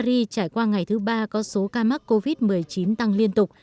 trong ba ngày bulgaria trải qua ngày thứ ba có số ca mắc covid một mươi chín tăng liên tục